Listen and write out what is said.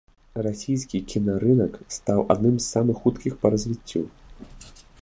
Расійскі кінарынак стаў адным з самых хуткіх па развіццю.